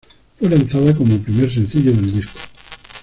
Fue lanzada como primer sencillo del disco.